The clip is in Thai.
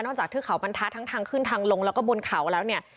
จากเทือกเขาบรรทัศน์ทั้งทางขึ้นทางลงแล้วก็บนเขาแล้วเนี่ย